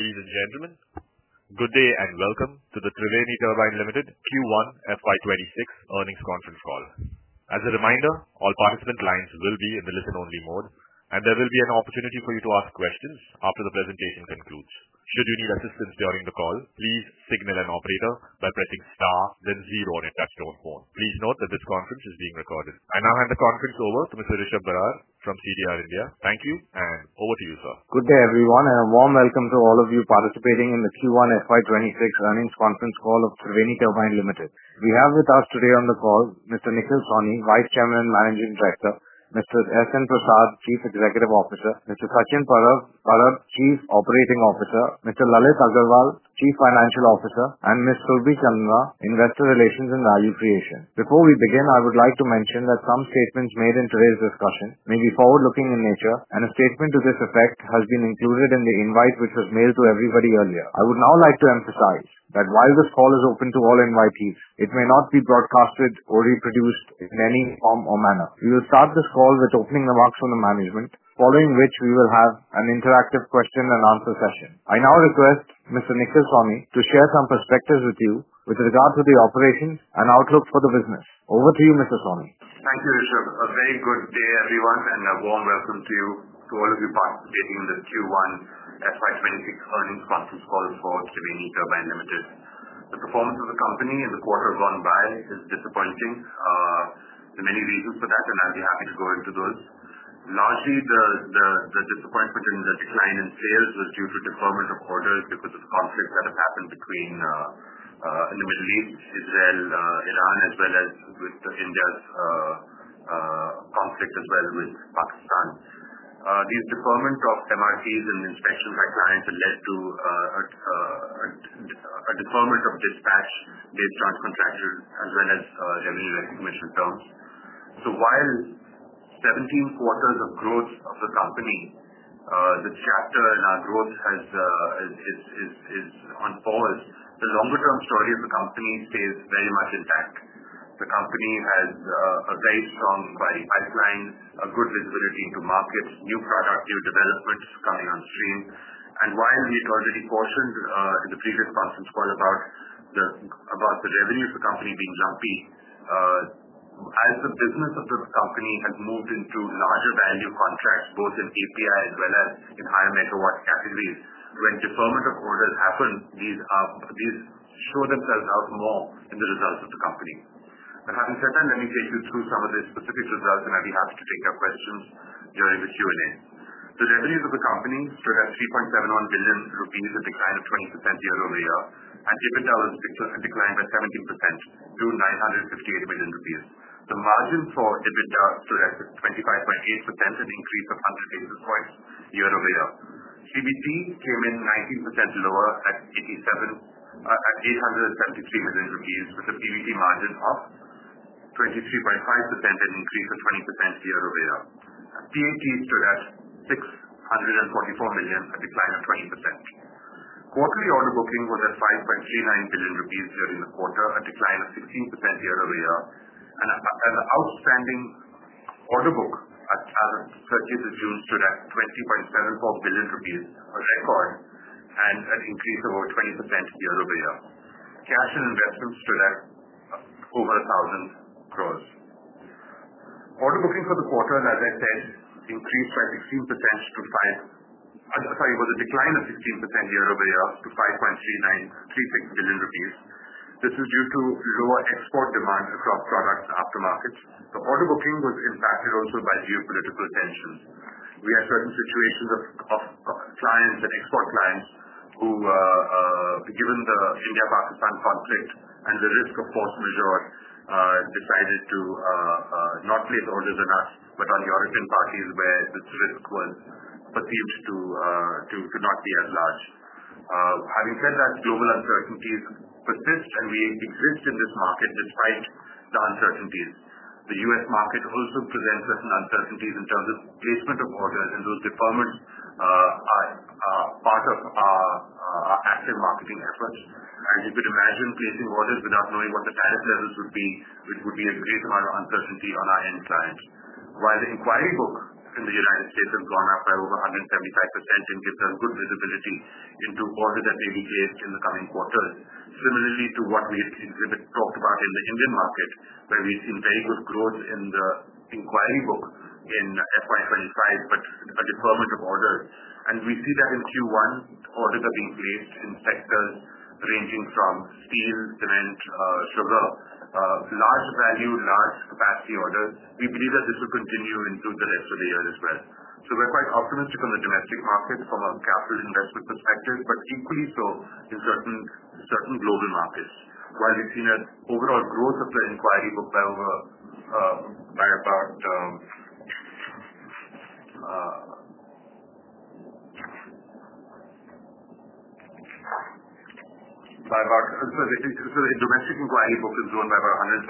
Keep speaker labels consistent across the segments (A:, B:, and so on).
A: Ladies and gentlemen, good day and welcome to the Triveni Turbine Limited Q1 FY 2026 earnings conference call. As a reminder, all participant lines will be in the listen-only mode and there will be an opportunity for you to ask questions after the presentation concludes. If you need assistance during the call, please signal an operator by pressing star then zero on your touch tone phone. Please note that this conference is being recorded. I now hand the conference over to Mr. Rishab Barar, CDR India. Thank you and over to you sir.
B: Good day everyone and a warm welcome to all of you participating in the Q1 FY 2026 earnings conference call of Triveni Turbine Limited. We have with us today on the call Mr. Nikhil Sawhney, Vice Chairman, Mr. S.N. Prasad, Chief Executive Officer, Mr. Sachin Parab, Chief Operating Officer, Mr. Lalit Agarwal, Chief Financial Officer, and Ms. Surabhi Chandna, Head of Investor Relations. Before we begin, I would like to mention that some statements made in today's discussion may be forward looking in nature and a statement to this effect has been included in the invite which was mailed to everybody earlier. I would now like to emphasize that while this call is open to all invitees, it may not be broadcasted or reproduced in any form or manner. We will start this call with opening remarks from the management following which we will have an interactive question-and-answer session. I now request Mr. Nikhil Sawhney to share some perspectives with you with regard to the operations and outlook for the business. Over to you Mr. Sawhney.
C: Thank you. A very good day everyone and a warm welcome to you. To all of you participating in the Q1 FY 2026 earnings conference call for Triveni Turbine Limited. The performance of the company in the quarter gone by is disappointing. There are many reasons for that and I'll be happy to go into those. Largely, the disappointment in the decline in sales was due to the government reporters because of conflicts that have happened in the Middle East, Israel, Iran as well as with India's conflict as well with Pakistan. These deferment of MRTs and inspections by clients led to a deferment of dispatch, discharge contraction as well as the revision terms. While 17 quarters of growth of the company, the chapter in our growth is on pause, the longer-term story of the company stays very much intact. The company has a very strong outline, a good visibility to markets, new product, new developments coming on stream, and while we already cautioned in the previous conference call about the revenue for the company being lumpy as the business of the company has moved into larger value contract both in API as well as in higher megawatts categories. Twenty per meter quarters happened. These throw themselves out more in the results of the company. Having said that, let me take you through some of the specific results and I'll be happy to take your questions. During the Q&A, the revenues of the company stood at 3.71 billion rupees with a decline of 20% year-over-year, and EBITDA was declined by 17% to 958 million rupees. The margin for EBITDA was 25.8% with an increase of 100 basis points year-over-year. PBT came in 19% lower at 873 million rupees with a PVC margin of 23.5% and an increase of 20% year-over-year. PAT stood at 644 million, a decline of 20%. Quarterly order booking was at 5.39 billion rupees during the quarter, a decline of 16% year-over-year, and outstanding order book as of June 30th stood at 20.74 billion rupees on record and an increase of over 20% year-over-year. Cash and investments stood at over 1,000 crore. Order booking for the quarter, as I said, was a decline of 15% year-over-year to 5.3936 billion rupees. This is due to lower export demands across products and aftermarket services. The order booking was impacted also by geopolitical tensions. We had certain situations of clients that you spot. Clients who, given the India-Pakistan conflicts and the risk of force majeure, decided to not leave orders on us but on the origin parties where this risk was perceived to not be at large. Having said that, global uncertainties persist and we exist in this market despite the uncertainties. The U.S. market also presents uncertainties in terms of placement of orders and those deferments are part of our active marketing efforts. As you could imagine, placing orders without knowing what the tariff level would be would be a great uncertainty on our end client. While the inquiry book in the United States has gone up by over 175% and gives us good visibility into order that we will face in the coming quarters. Similarly to what we talked about in the Indian market where we've seen very good growth in the inquiry book in FY 2025 but a deferment of order, we see that in Q1 orders are being placed in sectors ranging from steel, cement, large value, large capacity order. We believe that this will continue into the rest of the year as well, so we're quite optimistic on the domestic market from a capital generic perspective, but equally so in certain global markets. While we've seen that overall growth of the inquiry book by over, by about, domestic inquiry book has grown by about 130%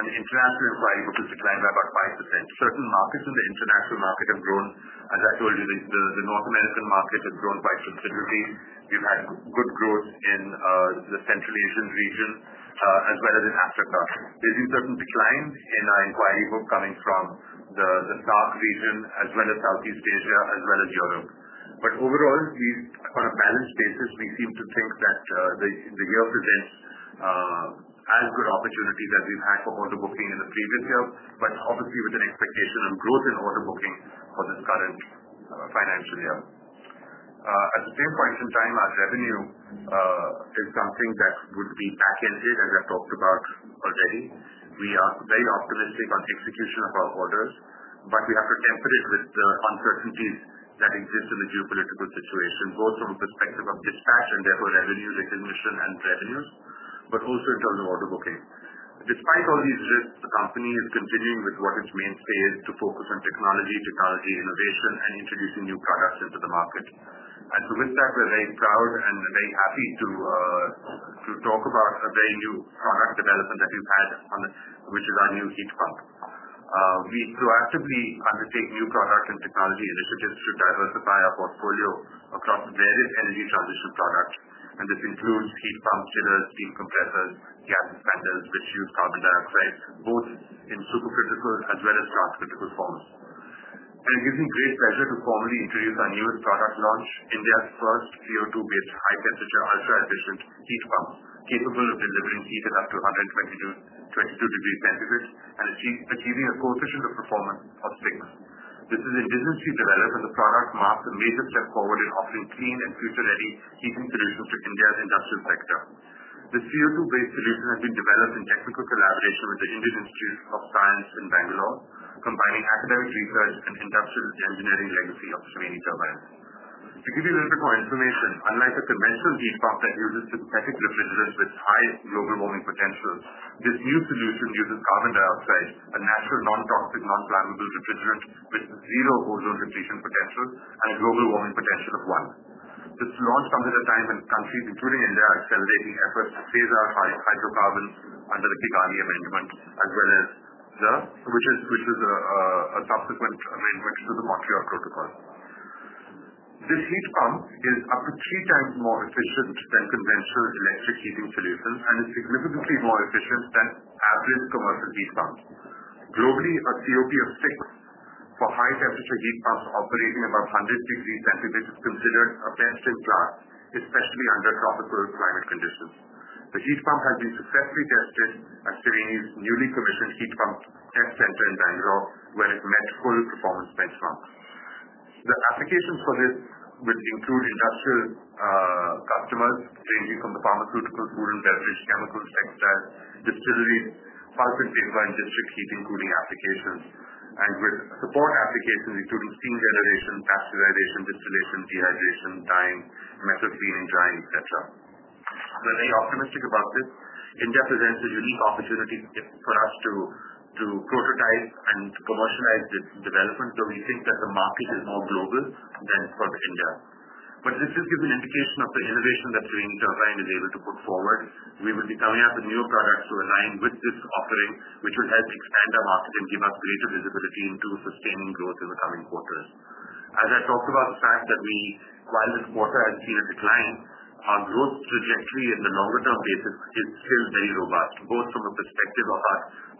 C: and international inquiry book has declined by about 5%. Certain markets in the international market have grown. As I told you, the North American market had grown quite considerably. We've had good growth in the Central Asian region as well as in Africa. We've seen certain declines in our inquiry group coming from the South region as well as Southeast Asia as well as Europe. Overall, on a balanced basis we seem to think that the year has good opportunities that we've had for order booking in the previous year, obviously with an expectation of growth in order booking for this current financial year. At the same point in time our revenue is something that would be packaged as I've talked about already, we are very optimistic on execution of our orders, but we have to temper it with the uncertainties that exist in the geopolitical situation both of the price above dispatch and therefore revenue recognition and revenue, but also in terms of order booking. Despite all these risks, the company is continuing with what has mainstayed to focus on technology, technology innovation and introducing new products into the market. To this, we're very proud and very happy to talk about a very new product development that we've had which is our new heat pump. We proactively undertake new product and technology initiatives to diversify our portfolio across various energy services products and this includes heat pump chillers, steel compressors, cabin expanders which use carbon dioxide both in supercritical as well as transcritical forms. It gives me great pleasure to formally introduce our newest product launch, India's first CO₂-based high-temperature ultra-efficient heat pump capable of delivering heat at up to 120 degrees Celsius to 122 degrees Celsius and achieving a coefficient of performance of [6]. This is indigenously developed as a product, marks a major step forward in offering clean and future-ready heat, contributes to India's industrial sector. The CO₂-based solution has been developed in technical collaboration with the Indian Institute of Science in Bangalore, combining academic research and industrial engineering legacy of so many turbines. To give you a little bit more information, unlike a conventional heat pump that uses synthetic refrigerants with high global warming potential, this new solution uses carbon dioxide, a natural, non-toxic, non-flammable refrigerant with zero ozone depletion potential and global warming potential of 1. Its launch comes at a time when countries including India are accelerating efforts to phase out hydrocarbons under the Kigali Amendment, which is subsequent to the Montreal Protocol. This heat pump is up to 3x more efficient than conventional electric heating solutions and is significantly more efficient than average commercial heat pumps. Globally, a COP of 6 for high-temperature heat pumps operating above 100 degrees Celsius is considered a best-in-class benchmark, especially under tropical climate conditions. The heat pump has been successfully tested at Triveni Turbine Limited's newly commissioned Heat Pump Test Center in Bangalore, where it met COP performance benchmarks. The applications for this would include industrial customers ranging from the pharmaceutical, chemicals, Excel Distilleries, Falcon, Sava, and district heating and cooling applications, with support applications including steam generation, pasteurization, distillation, dehydration, dyeing, metal cleaning, drying, etc. We're very optimistic about this. India presents the unique opportunity for us to prototype and commercialize the development. We think that the market is more global than for India, but this just gives an indication of the innovation that is able to be put forward. We will be coming up with newer products to align with this offering, which will help expand our market and give us greater visibility into sustaining growth in the coming quarters. As I talked about the fact that while this quarter has seen a decline, our growth trajectory on a longer-term basis is still very robust both from a perspective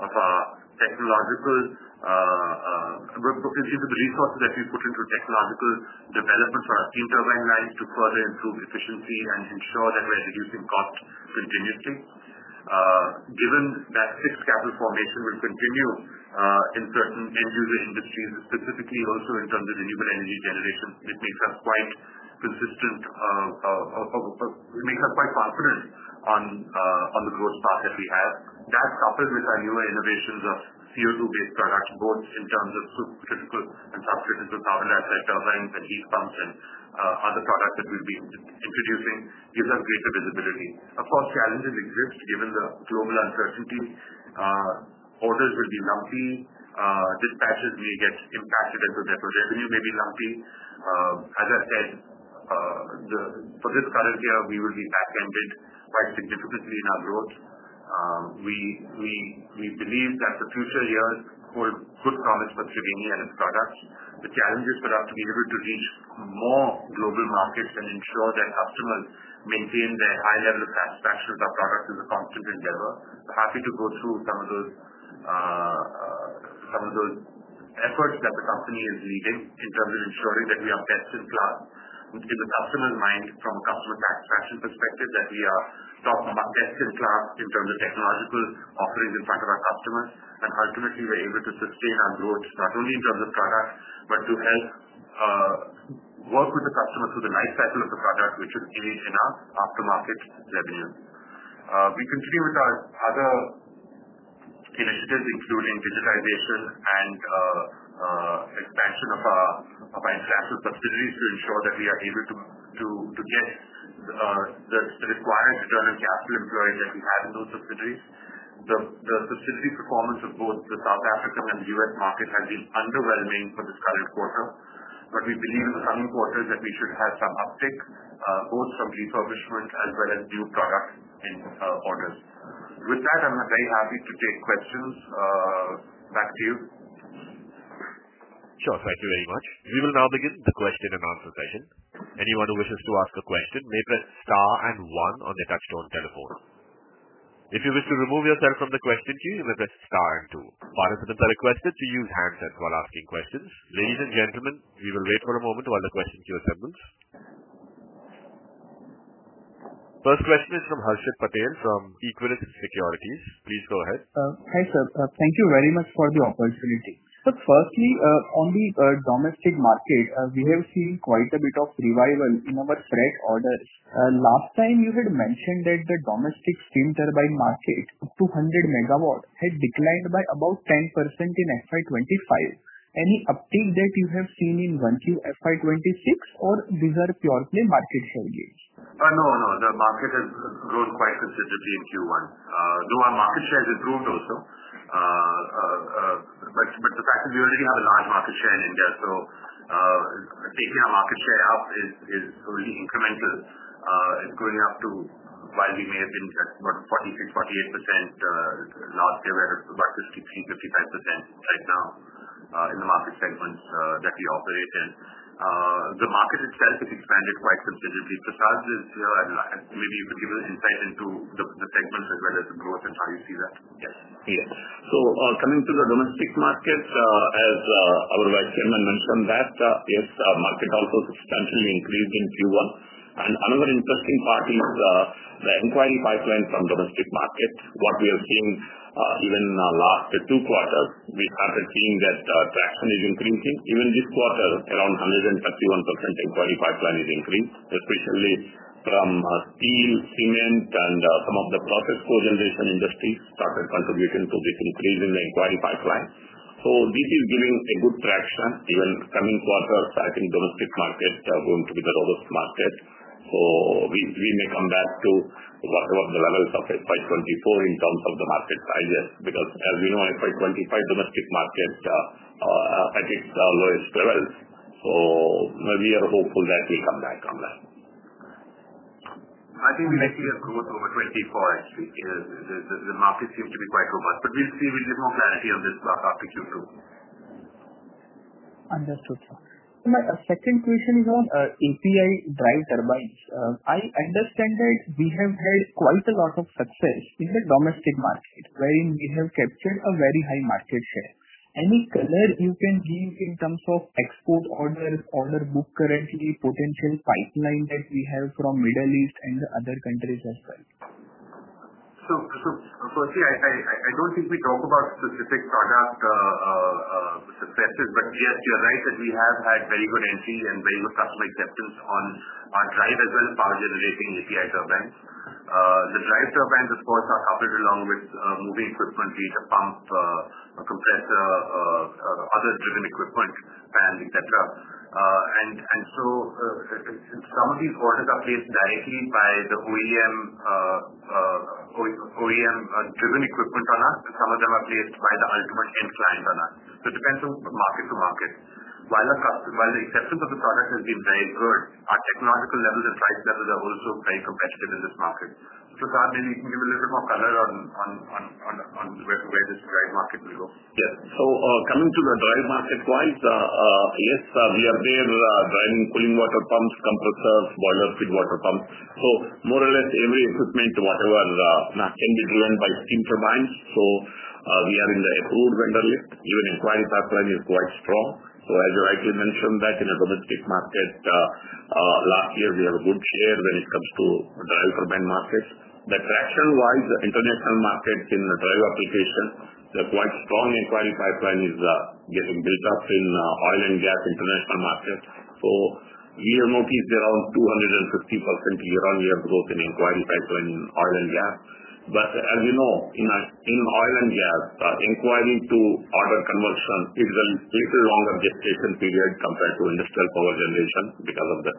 C: of our technological resources that we put into technological development for our turbine lines to further improve efficiency and ensure that we're reducing cost continuously, given that fixed capital formation will continue in certain end user industries, specifically also in terms of renewable energy generation, which makes us quite confident on the growth path that we have. That's coupled with our newer innovations of CO₂-based products both in terms of critical and subcritical power labs like Dov Amp and heat pumps and other products that we'll be introducing, gives us greater visibility. Of course, challenges exist given the global uncertainty. Orders will be lumpy, dispatches get impassed into deposit revenue, may be lumpy. As I said, for this current year we will be back-ended quite significantly in our growth. We believe that the future here holds good comments for Triveni and its products. The challenge is for us to be able to reach more global markets and ensure that optimal maintain their high level of station. Our products is a constant endeavor. Happy to go through some of the efforts that the company is leading in terms of ensuring that we are best in class, which is a customer's mind from a customer satisfaction perspective, that we are talking about best in class in terms of technological offerings in front of our customers, and ultimately we're able to sustain our growth not only in terms of product, but to help work with the customer through the lifecycle of the product, which should engage in our aftermarket revenue. We continue with our other initiatives, including digitization and expansion of our subsidiaries, to ensure that we are able to get the required return on capital employees that we have in those subsidiaries. The performance of both the South African and U.S. market has been underwhelming for this current quarter. We believe in the coming quarters that we should have some uptick both from refurbishment as well as new product orders. With that, I'm very happy to take questions. Back to you.
A: Sure. Thank you very much. We will now begin the question-and-answer session. Anyone who wishes to ask a question may press star and one on the touch-tone telephone. If you wish to remove yourself from the question queue, visit star and two participants are requested to use handset while asking questions. Ladies and gentlemen, we will wait for a moment while the question queue assembles. First question is from Harshit Patel from Equirus Securities. Please go ahead.
D: Hi sir. Thank you very much for the opportunity. Firstly, on the domestic market we have seen quite a bit of revival in our fresh orders. Last time you had mentioned that the domestic steam turbine market up to 100 MW had declined by about 10% in FY 2025. Any uptick that you have seen in Q1 FY 2026 or these are purely market share gains?
C: No, no, the market has grown quite considerably in Q1 though our market share has improved also. The fact that we already have a large market share in gas, so taking our market share up is really incremental. Going up to while we may have been at about 46%, 48% last year, we're about to see 55% right now in the market segments that we operate in. The market itself has expanded quite competitively. Prasad is here, maybe you could give an insight into the segments as well as the growth and how you see that.
E: Yes, Coming to the domestic markets, as our Vice Chairman mentioned, yes, market also staggered, continue increase in Q1. Another interesting part is the inquiry pipeline from domestic market. What we have seen even last two quarters, we started seeing that traction is increasing. Even this quarter, around 131%. Inquiry pipeline is increasing especially from steel, cement, and some of the project co-generation industries started contributing to this increase in the inquiry pipeline. This is giving a good traction even coming quarters. I think domestic market are going to be the robust market. We may come back to one of the levels of FY 2024 in terms of the market prices because as we know FY 2025 domestic market at its lowest levels. We are hopeful that we come back on that.
C: I think we may see a growth over 2024. The market seems to be quite robust, but we'll see, we'll get more clarity on this graph after Q2.
D: Understood. My second question is on API drive surveys. I understand that we have had quite a lot of success in the domestic market wherein we have captured a very high market share. Any color you can give in terms of export order, order book, currency potential pipeline that we have from Middle East and other countries as well.
C: I don't think we talk about specific product successes. Yes, you're right that we have had very good NC and very good customer acceptance on drive as well as power generating API turbines. The drive turbines, of course, are coupled along with movies footprint feature pump, other driven equipment, fans, etc. Some of these horses are placed directly by the OEM driven equipped with, some of them are placed by the ultimate inclined runner. It depends on market to market. While the acceptance of the product has been very good, our technological levels and price levels are also very competitive in this market. Prasad, maybe you can give a little bit more color on where this drive market will go.
E: Yeah. Coming to the drive market wise, yes, we are there driving, pulling water pumps, compressors, boiler feed water pumps. More or less every equipment, whatever mass can be driven by steam turbines. We are in the approved vendor list. Even inquiry pipeline is quite strong. As rightly mentioned, in the domestic market last year we have a good share when it comes to drive for band markets. Rational wise, international market can drive application. The quite strong inquiry pipeline is given buildups in oil and gas international market. You notice around 250% year-on-year growth in inquiry type in oil and gas. As you know, in oil and gas, inquiry to order conversion is a longer dictation period compared to industrial power generation because of the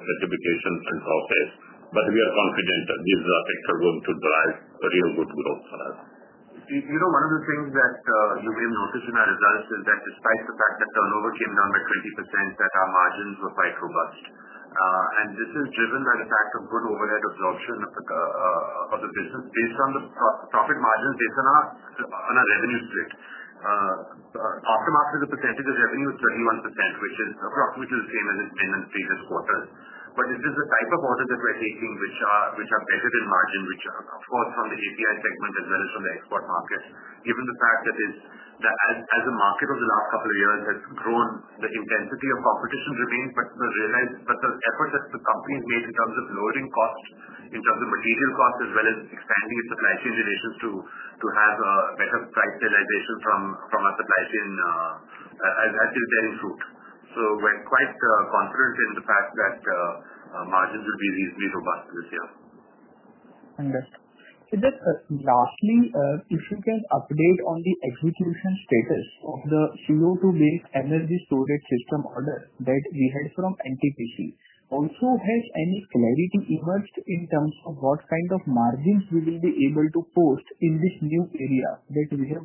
E: but we are confident that these things are going to drive real good growth for us.
C: One of the things that we've noticed in our results is that despite the fact that turnover came down by 20%, our margins were quite robust. This is driven by the fact of good overhead absorption of the business based on the profit margin on a revenue stretch. Aftermarket is a percentage of revenue at 31%, which is approximately the same as it's been in previous quarters. This is the type of order that we're seeking, which are better than margin, which of course from the API segment as well as from the export markets. Given the fact that as a market over the last couple of years has grown, the intensity of competition remains, but the realize but the effort that the company made in terms of lowering costs in terms of material cost as well as expanding its supply chain relations to have better price realization from our supply chain as well. We're quite confident in the fact that margins would be reasonably robust this year.
D: Lastly, if you can update on the execution status of the CO₂-based energy storage system, the one that we had from NTPC, also has any clarity evolved in terms of what kind of margins we will be able to post in this new area that we are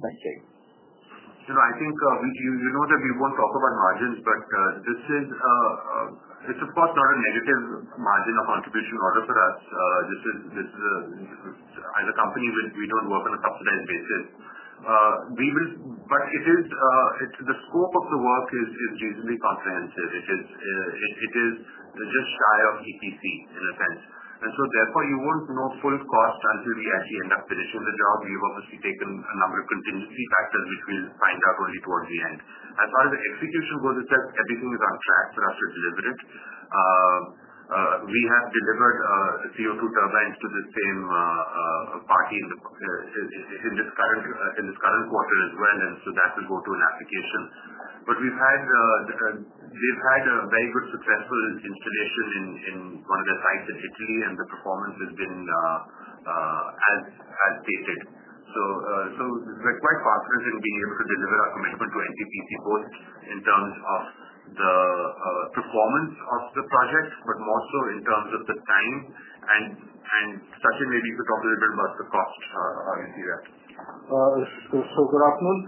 D: punching?
C: I think you know that we won't talk about margins, but this is, it's of course not a negative margin or contribution order for us. This is a company where we don't work on a subsidized basis, but the scope of the work is reasonably comprehensive. They're just shy of EPC in a sense, and therefore you won't know full cost until we actually end up finishing the job. We've obviously taken a number of contingency factors, which we'll find out only towards the end. As far as the execution goes, everything is on track for us to deliver it. We have delivered CO₂ turbines to the same party in this current quarter as well, and that will go to an application, but we've had a very good successful installation in one of their sites in Italy and the performance has been as stated. We're quite confident in being able to deliver our commitment to NTPC in terms of the performance of the projects, but more so in terms of the time. And Sachin, maybe you could probably build much the cost is the rest.
F: So good afternoon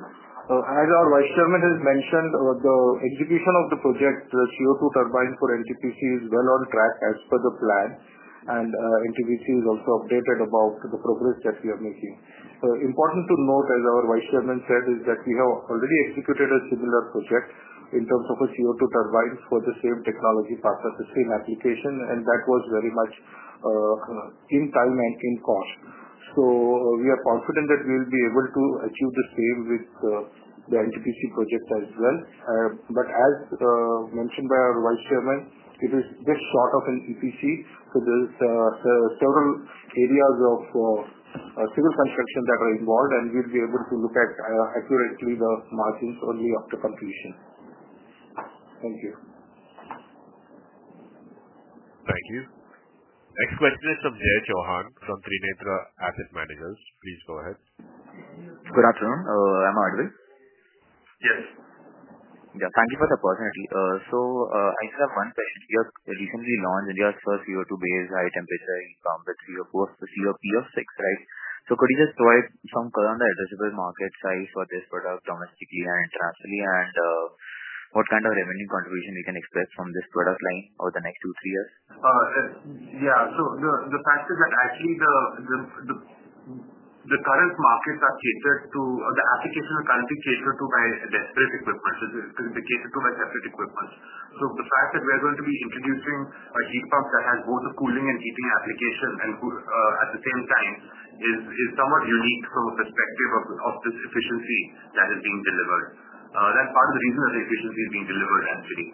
F: as our Vice Chairman has mentioned, the execution of the project CO₂ turbine for NTPC is well on track as per the plan and NTPC is also updated about the progress that we are making. Important to note, as our Vice Chairman said, is that we have already executed a similar project in terms of a CO₂ turbine for the same technology, the same application, and that was very much in time and in cost. We are confident that we will be able to achieve the same with the NTPC projects as well. As mentioned by our Vice Chairman, it is this sort of an EPC. There are several areas of civil construction that are involved and we'll be able to look at accurately the margins only after completion. Thank you.
A: Thank you. Next question is from Jai Chauhan from Trinetra Asset Managers. Please go ahead.
G: Good afternoon. Am I audible?
C: Yes.
G: Yeah, thank you for the opportunity. I just have one question. Recently launched India's first CO₂-based high-temperature COP of 6. Right. Could you just provide some Corona eligible market size for this product domestically and internationally and what kind of revenue contribution we can expect from this product line over the next two, three years?
C: Yeah, the fact is that actually the current market that caters to the application are configured to buy disparate equipment, to buy deficit equipment. The fact that we're going to be introducing a heat pump that has both a cooling and heating application and at the same time is somewhat unique from a perspective of this efficiency that is being delivered, that part of the reason that the efficiency is being delivered actually.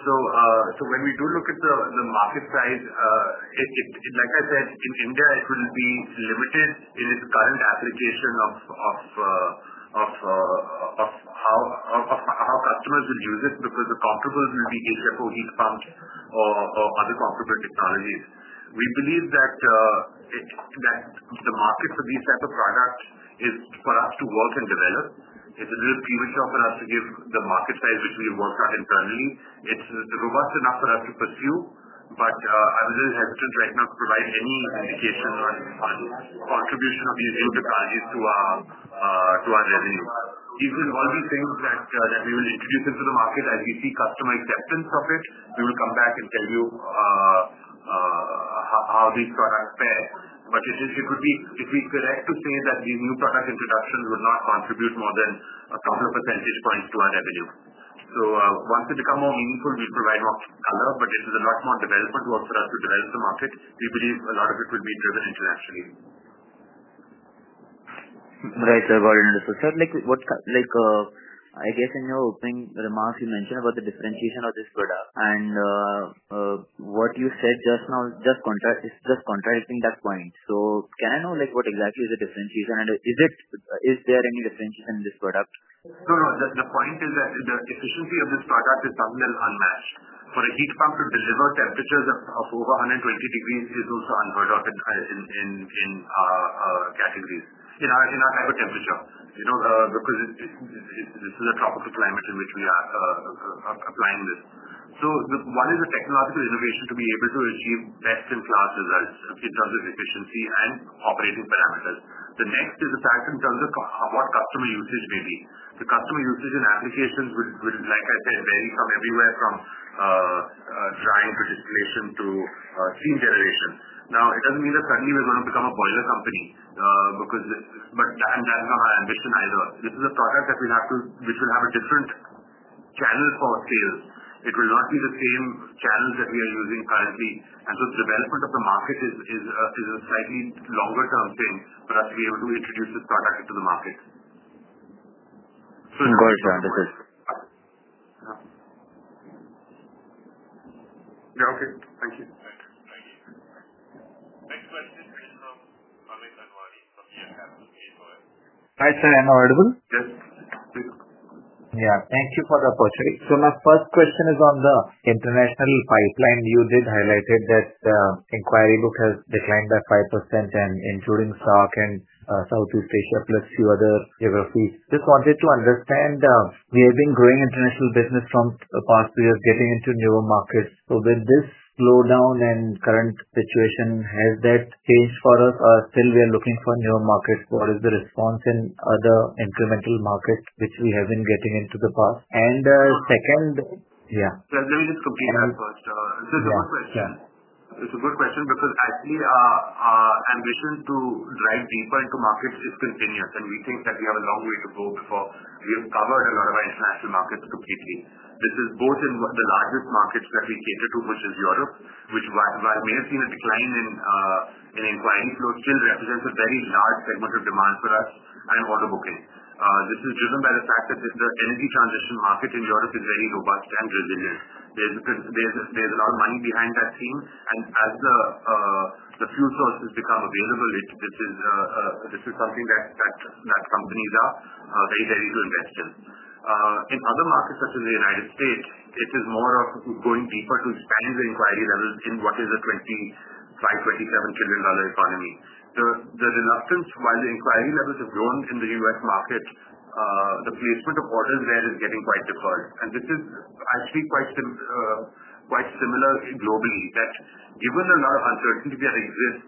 C: When we do look at the market price, like I said, in India, it wouldn't be limited in its current application of how customers would use it because the comparable will be easier for heat pumps or other comparable technologies. We believe that it's there. The market for these type of products is for us to work and develop. It's a little TV show for us to give the market size which we work on internally. It's robust enough for us to pursue. I'm really hesitant right now providing any indication on contribution of these new technologies to our revenue using all these things that we will introduce into the market as we see customer acceptance of it. We will come back and tell you how these products pair. If it could be, if we could say that the new product introduction would not contribute more than a couple of percentage points to our revenue. Once they become more meaningful, we provide more color. It is a lot more development work for us to develop the market. We believe a lot of it could be driven internationally.
G: Right. I guess in your opening remarks you mentioned about the differentiation of this product and what you said just now just contrasts, just contradicting that point. Can I know like what exactly is the differentiation and is it, is there any differential in this product?
C: No, no. The point is that the efficiency of this product is somewhat unmatched. For a heat pump to deliver, temperatures of over 120 degrees Celsius is also unheard of in categories in our temperature, you know, because this is a top of the climate in which we are applying this. One is a technological innovation to be able to achieve best in class results in terms of efficiency and operating parameters. The next is the type in terms of what customer usage daily. The customer usage and applications, like I said, vary from everywhere from drying to steam generation. It doesn't mean that currently we're going to become a polygon company, because that is not our ambition either. This is a product that we'd have to, which will have a different channel for sales. It will not be the same channels that we are using currently. The development of the market is a slightly longer-term thing for us to be able to introduce this product into the market.
G: Yeah. Okay, thank you.
A: The next question is from Amit Anwani from PL Capital. Please go ahead
H: Hi sir, am I audible?
C: Yes.
H: Yeah. Thank you for the opportunity. My first question is on the international pipeline. You did highlight that inquiry book has declined by 5%, including SOC and Southeast Asia plus a few other geographies. Just wanted to understand, we have been growing international business for the past two years, getting into newer markets. With this slowdown and current situation, has that changed for us? Still, are we looking for newer markets? What is the response in other incremental markets which we have been getting into in the past?
C: Let me just complete. First, it's a good question because I see ambition to drive deeper into markets is continuous, and we think that we have a long way to go before we have covered a lot of our international markets completely. This is both in the largest markets that we cater to, which is Europe, which, while we have seen a decline in inquiry, still represents a very large segment of demand for us and order booking. This is driven by the fact that the energy transition market in Europe is very robust and resilient. There's a lot of money behind that scene, and as the fuel sources become available, this is something that companies are very ready to invest in. In other markets such as the United States, it is more of going deeper to expand the inquiry levels in what is a $25 trillion, $27 trillion economy. The reluctance while the inquiry levels have grown in the U.S. market, the placement of portals there is getting quite secured, and this is, I see, quite similar globally. Given a lot of uncertainty that exists,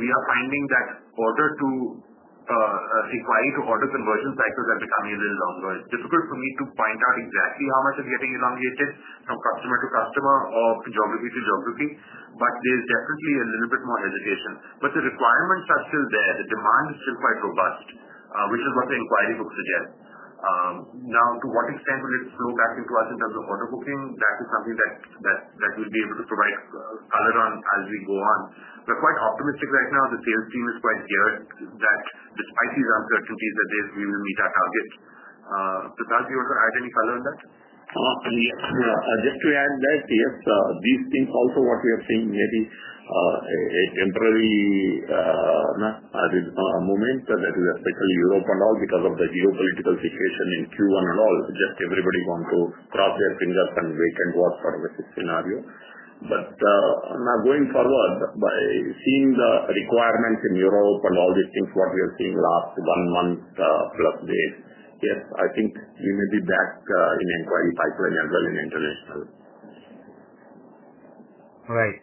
C: we are finding that order-to-require-to-order conversion cycles are becoming a little longer. It's difficult for me to point out exactly how much is getting elongated from customer to customer or geography to geography, but there's definitely a little bit more education. The requirements are still there. The demand is still quite robust, which is what the inquiry book suggests. Now, to what extent will it flow back into us in terms of order booking, that is something that we'll be able to provide color on as we go on. We're quite optimistic right now. The sales team is quite geared that despite these uncertainties that they've given me that target. because we want to add any color on that.
E: Just to add that yes, these things also, what we have seen may be a temporary moment, respectively Europe and all, because of the geopolitical situation in Q1 and all, just everybody wants to cross their fingers and wait and work for a scenario. Now, going forward, by seeing the requirements in Europe and all these things, what we are seeing last one month, yes, I think we may be back in inquiry pipeline as well in Internet.
H: All right,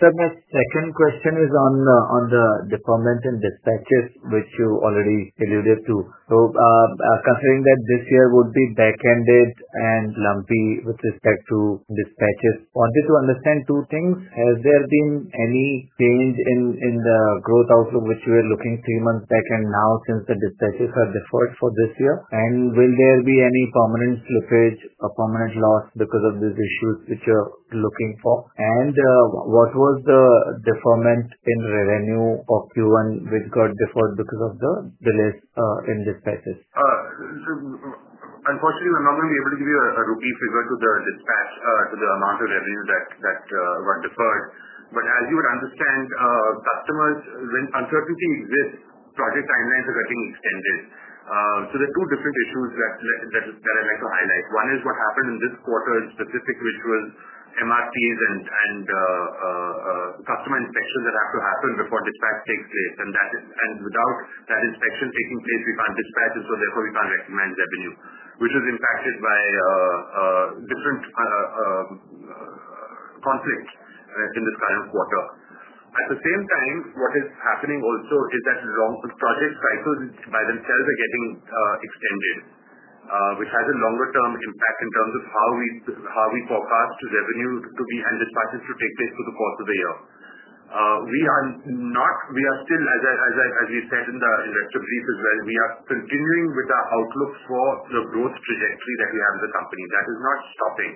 H: sir, my second question is on the deployment and dispatches, which you already alluded to. Considering that this year would be backhanded and lumpy with respect to dispatches, wanted to understand two things. Has there been any change in the growth outlook which we were looking at three months back and now, since the dispatches are deferred for this year, and will any permanent slippage, a permanent loss, because of these issues which you're looking for? What was the deferment in revenue of Q1 which got deferred because of the delays in this crisis?
C: Unfortunately, we're not able to give you a rookie figure to the dispatch, to the amount of revenue that were deferred, but as you would understand, customers, when uncertainty exists, project timelines are getting extended. There are two different issues that I'd like to highlight. One is what happened in this quarter in specific visual MRTs and customer inspections that have to happen before dispatch takes place, and without that inspection taking place, we can't dispatch it, therefore we can't recommend revenue, which is impacted by different conflicts in this current quarter. At the same time, what is happening also is that project cycles by themselves are getting extended, which has a longer term impact in terms of how we, this is how we forecast revenue to be, and this patterns to take place for the course of the year. We are not. We are still, as we said in the lecture brief as well, we are continuing with our outlook for the growth trajectory that we have as a company. That is not stopping.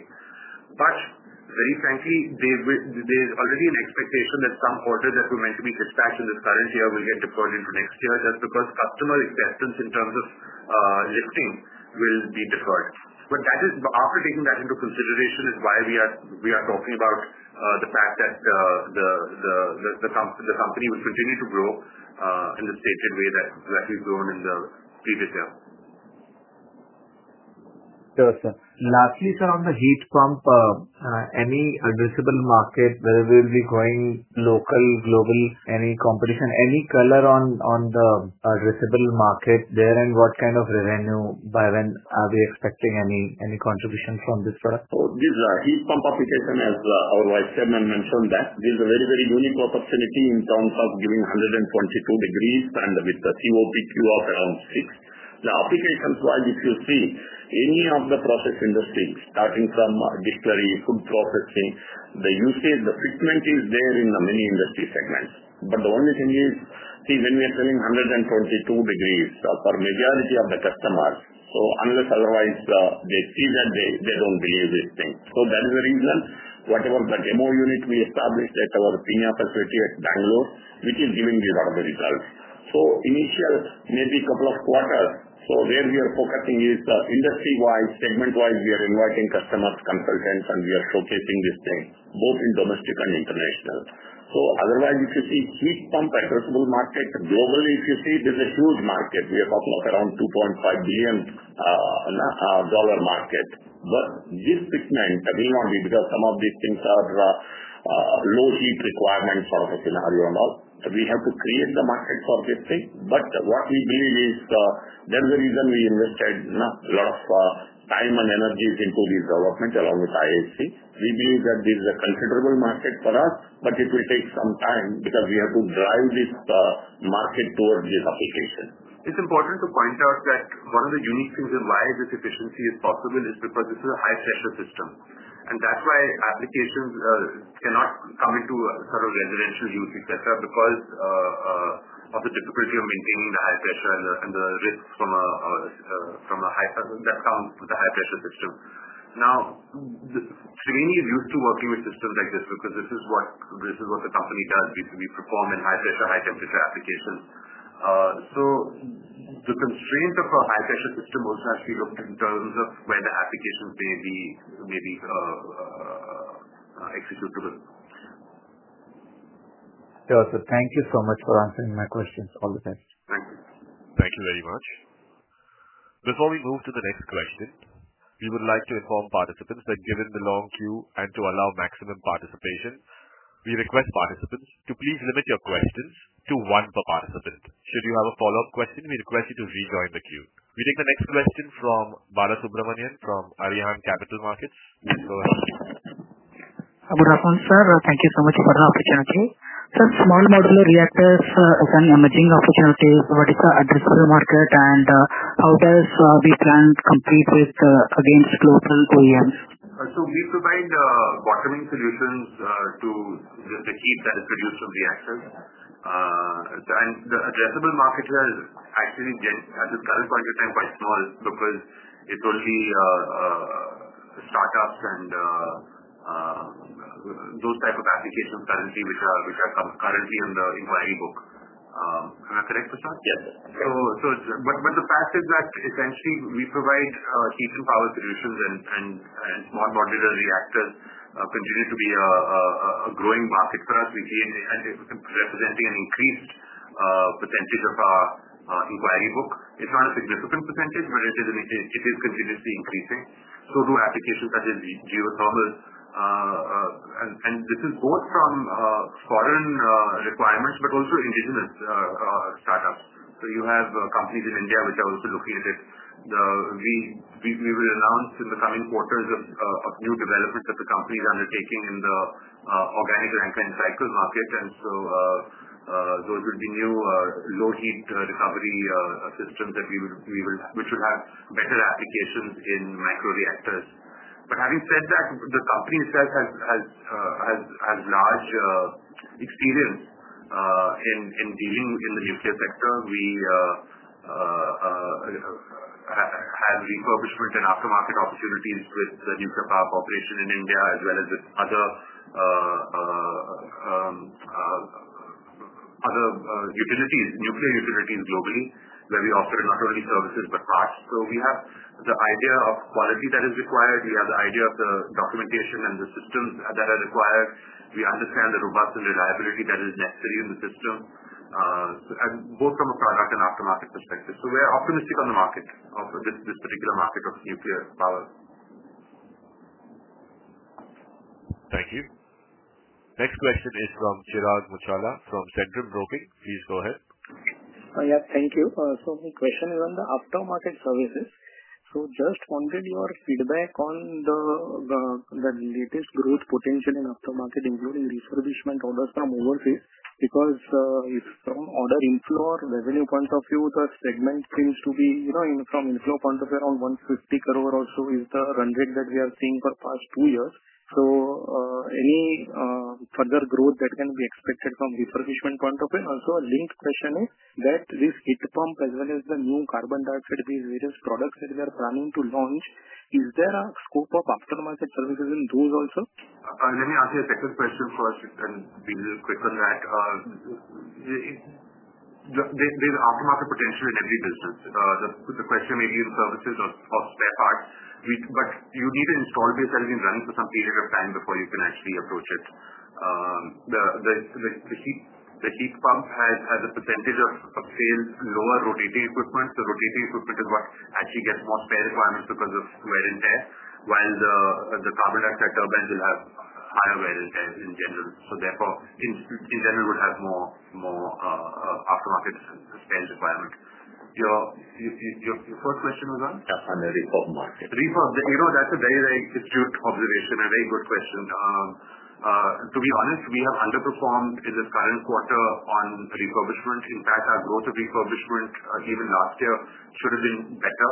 C: Very frankly, there is already an expectation that some order that will need to be dispatched in this current year will get deployed into next year just because customer acceptance in terms of listings will be deferred. That is after taking that into consideration, which is why we are talking about the fact that the company will continue to grow in the state and way that it has grown in the future.
H: Lastly, sir, on the heat pump, any addressable market where we'll be going local, global, any competition, any color on the addressable market there, and what kind of revenue by when are we expecting any contribution from this product?
E: This is a heat pump application. As our Vice Chairman mentioned, this is a very, very brilliant opportunity in terms of giving 122 degrees. With the COP of around 6.0, the applications-wise, if you see any of the process industry starting from distilleries, food processing, the usage, the fitment is there in many industry segments. The only thing is, when we are selling 122 degrees for majority of the customers, unless otherwise they see that, they don't believe this thing. That is the reason whatever the demo unit we established at our plant, which is giving these are the results. Initial maybe a couple of quarters, where we are focusing is the industry-wise, segment-wise, we are inviting customers, consultants, and we are focusing this thing both in domestic and international. Otherwise, if you see Swiss pump accessible market globally, if you see this is a huge market, we are talking around $2.5 billion market. This fitment being only because some of these things are low heat requirements for a scenario and all, we have to create the market for this thing. What we believe is, there's a reason we invested a lot of time and energies into this development along with Indian Institute of Science. We believe that this is a considerable market for us. It will take some time because we have to drive this market towards this efficiency.
C: It's important to point out that one of the unique things and why this efficiency is possible is because this is a high central system. That's why applications cannot come into sort of residential use, etc., because of the difficulty of maintaining the high pressure and the risks that come with a high pressure system. Now, Triveni is used to working with systems like this because this is what the company does. We perform in high pressure, high temperature applications. The constraint of a high pressure system also has to be looked at in terms of where the applications may be executable.
H: Thank you so much for answering my questions all the time.
A: Thank you very much. Before we move to the next question, we would like to inform participants that given the long queue and to allow maximum participation, we request participants to please limit your questions to one per participant. Should you have a follow-up question, we request you to rejoin the queue. We take the next question from Balasubramanian A from Arihant Capital Markets.
I: Thank you so much for the opportunity. Some small modular reactors open emerging addressable market and how does the plan compete with against local OEMs?
C: We provide bottoming solutions to the technique that is produced from reactors and the addressable market has actually, as a matter of fact, quite small because it's only startups and those types of application currently which are currently on the valid book. Am I correct?
E: Yeah.
C: The fact is that essentially we provide heat and power solutions and modular reactors continue to be a growing market for us. We see representing an increased percentage of our inquiry book. It's not a significant percentage, but it is continuously increasing. Applications such as geothermal and this is both from foreign requirements but also indigenous startups. You have companies in India which are also looking at it. We will announce in the coming quarters new development that the company is undertaking in the Organic Rankine Cycle market. Those will be new low heat recovery systems which will have better applications in microreactors. Having said that, the company itself has large experience in dealing in the nuclear sector. We have refurbishment and aftermarket opportunities with the Nuclear Power Corporation of India as well as other nuclear utilities globally where we offset not only services but parts. We have the idea of quality that is required. We have the idea of the documentation and the systems that are required. We understand the robustness and reliability that is necessary in the system both from a product and aftermarket perspective. We're optimistic on the market of this particular market of CPF power.
A: Thank you. Next question is from Chirag Muchhala from Centrum Broking. Please go ahead.
J: Yeah, thank you. My question is on the aftermarket services. I just wanted your feedback on the latest growth potential in aftermarket including refurbishment orders from overseas. From order inflow or revenue point of view, the stagnant things seem to be, you know, from inflow point of view, around 150 crore. Also, is the run rate that we are seeing for past few years. So any further growth that can be expected from refurbishment point of view? Also, Link's question is that this heat pump as well as the new carbon dioxide, these various products that we are planning to launch, is there a scope of aftermarket services in those also?
C: Let me ask you a second question first and we will be quick on that. There's aftermarket potential in every business. Just to put the question maybe in services of their part, but you need to install this that has been running for some period of time before you can actually approach it. The heat pump has a percentage of upfield lower rotating equipment. The rotating equipment is what actually gets more spare requirements because of wear and tear, while the carbon dioxide turbines will have higher wear and tear in general. Therefore, in general, would have more aftermarket sales requirement. Your first question was asked for the refurbishment. That's a very good observation, a very good question, to be honest. We have underperformed in this current quarter on refurbishment. In fact, our growth of refurbishment even last year should have been better,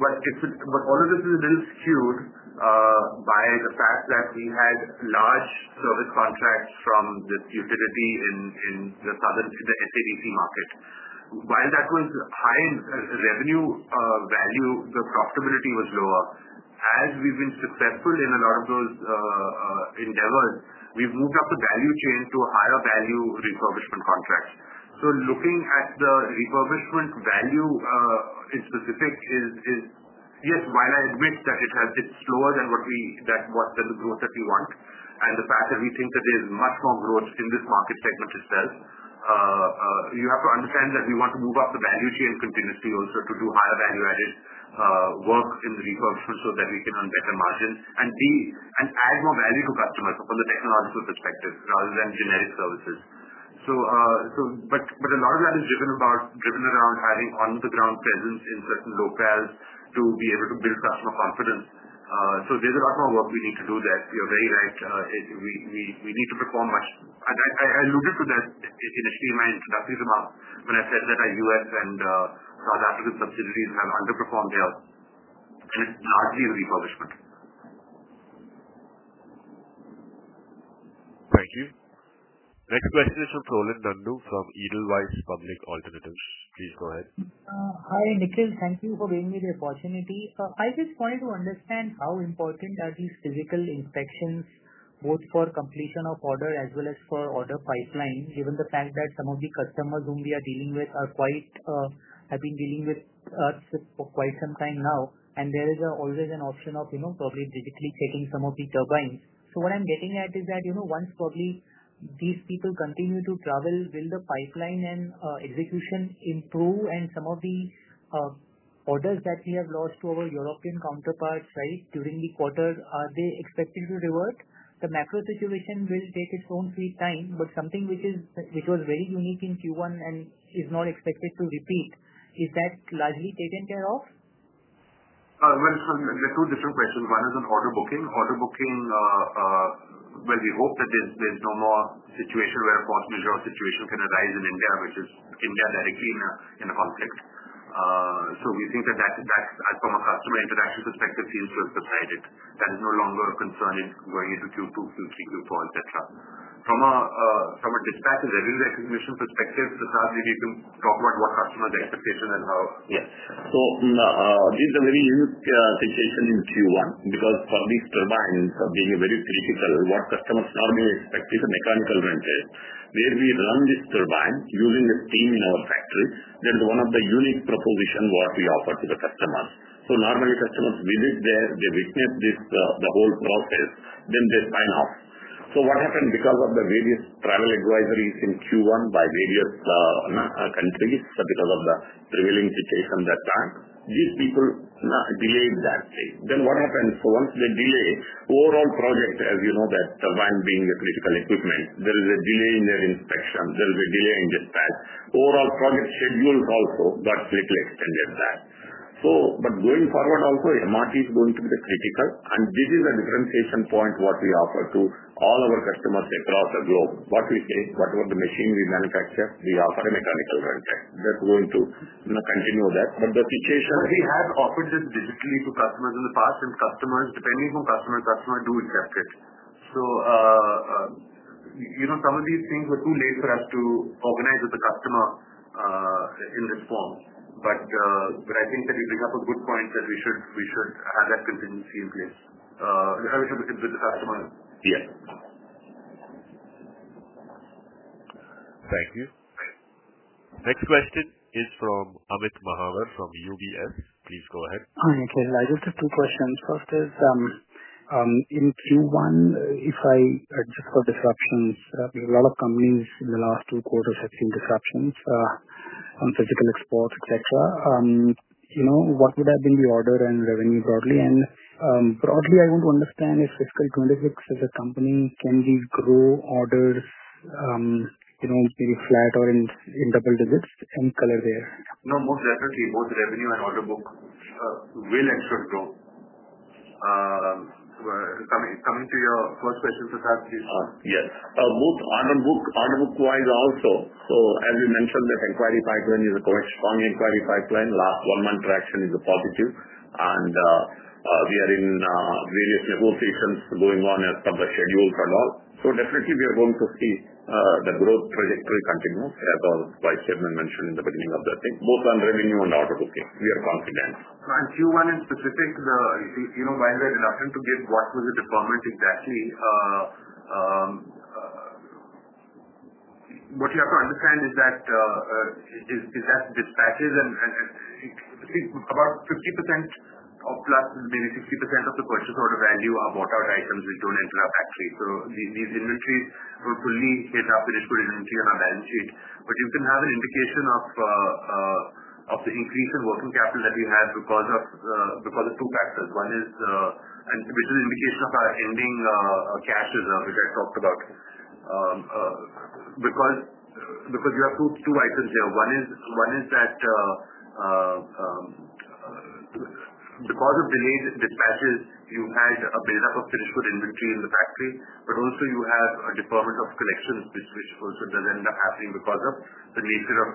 C: but all of this is a little skewed by the fact that we had large service contracts from the utility in the southern market. While that was high in revenue value, the profitability was lower. As we've been successful in a lot of those endeavors, we've moved up the value chain to a higher value refurbishment contract. Looking at the refurbishment value in specific, yes, while I admit that it has been slower than the growth that we want and the fact that we think that there's much more growth in this market, technology sells. You have to understand that we want to move up the value chain continuously also to do higher value-added work in the recognition so that we can earn better margin and add more value to customers from the technological perspective rather than generic services. A lot of that is driven around having on-the-ground presence in certain locales to be able to build customer confidence. There's a lot more work we need to do there. You're very right. We need to perform much. I looked for that initially in my introductory remark when I said that our U.S. and South African subsidiaries have underperformed. They're just largely a refurbishment.
A: Thank you. Next question is from Prolin Nandu from Edelweiss Public Alternatives. Please go ahead.
K: Hi Nikhil, thank you for giving me the opportunity. I just wanted to understand how important are these physical inspections both for completion of order as well as for order pipeline given the fact that some of the customers whom we are dealing with are quite have been dealing with for quite some time now. There is always an option of, you know, probably digitally taking some of the turbines. What I'm getting at is that, you know, once probably these people continue to travel, will the pipeline and execution improve? Some of the orders that we have lost to our European counterparts right during the quarter, are they expecting to revert? The macro situation will take its own free time. Something which is which was very unique in Q1 and is not expected to repeat, is that largely taken care of?
C: It's two different questions. One is an order booking. Order booking, we hope that there's no more situation where a situation can arise in India, which is India directly in a conflict. We think that from a customer interactive protected field source beside it that is no longer a concern going into Q2, fuel, CUFO, etc. From a dispatch and revenue recognition perspective, Sachin, you can talk about what customers' expectation and how.
E: Yes. This is a very unique situation in Q1 because for these turbines being very critical, what customers normally expect is a mechanical wrenches where we run this turbine using the steam in our factory. That is one of the unique propositions we offer to the customer. Normally customers visit there, they listen to the whole process, then they sign off. What happened because of the various travel advisories in Q1 by various countries, because of the prevailing situation, these people delay that. Once they delay, overall projects, as you know, the van being the critical equipment, there is a delay in their inspection. There is a delay in dispatch, overall project schedules also got replaced and get that. Going forward, also MRT is going to be critical and this is a differentiation point we offer to all our customers across the globe. Whatever the machine we manufacture, we offer a mechanical rental. Going to continue that, and the situation,
C: we have offered it digitally to customers in the past, and customers, depending on customer to customer, do accept it. Some of these things were too late for us to organize with the customer in this form. I think that is a good point that we should have that contingency. Yes,
A: thank you. Next question is from Amit Mahawar from UBS. Please go ahead.
L: Two questions. First is, in Q1, if I adjust for disruptions, a lot of companies in the last three quarters have seen disruptions on physical exports, etc. What would have been the order and revenue, broadly? I want to understand if fiscal 2026, as a company, can we grow order, maybe flat or in double digits, and color there?
C: No, most definitely, both revenue and order book will expect growth. Coming to your first question.
E: Yes, order book wise also. As we mentioned, the inquiry pipeline is a strong inquiry pipeline. One month reaction is a positive, and we are in various whole seasons going on as usual for all. Definitely, we are going to see the growth trajectory continue as price statement mentioned in the beginning of the thing, both on revenue and order bookings. Your confidence.
C: Q1 in specific, while we're in to give what was the department, what you have to understand is that it has dispatches, and about 50% or plus, maybe 60% of the purchase order value are bought out items which don't enter our factory. These inventory were fully set up on our balance sheet. You can have an indication of the increase in working capital that we had because of two factors. One is an indication of our ending cash reserve, which I talked about, because there are two items here. One is that because of delayed dispatches, you had a buildup of finished goods inventory in the factory, but also you have a department of collections, which also does end up happening because of the leasing of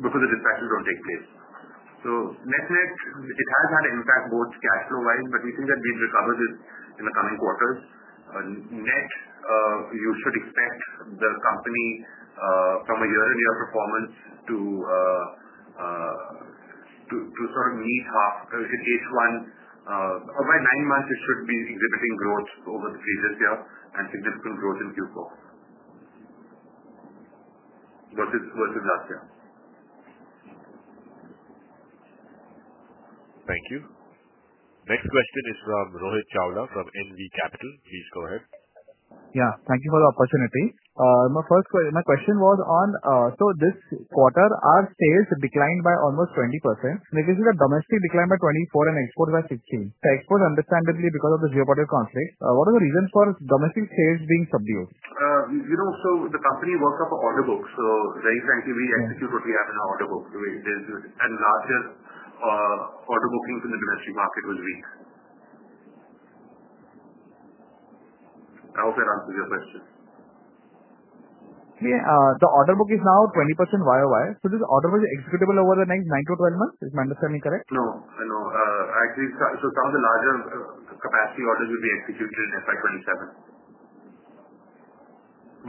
C: before the dispatches don't take place. Net, net, it has had an impact both cash flow wise, but we think that we'll recover in the coming quarters. Net, you should expect the company from a year-on-year performance to sort of meet half one. All right. The market should be exhibiting growth over the previous year and significant growth in Q4 versus last year.
A: Thank you. Next question is from Rohit Chawla from NV Capital. Please go ahead.
M: Yeah, thank you for the opportunity. My first question was on, so this quarter our sales declined by almost 20%. This is a domestic decline by 24% and export by 15%. Export understandably because of the geopolitical counsel. What are the reasons for domestic sales being subdued?
C: You know, the company works up an order book. Very frankly, we execute what we have in our order book. Last year order booking for the domestic market was weak. I hope that answers your question.
M: The order book is now 20% Y. This order book is executable over the next nine to twelve months. Is my understanding correct?
C: No. Actually, some of the larger capacity orders will be executed in FY